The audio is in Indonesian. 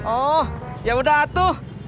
oh ya udah atuh